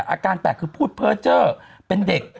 อาการแปลกคือพูดเพอร์เจอร์เป็นเด็ก